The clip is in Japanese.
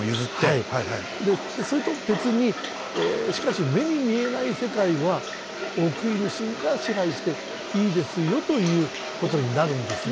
それと別にしかし「目に見えない世界」はオオクニヌシが支配していいですよということになるんですね。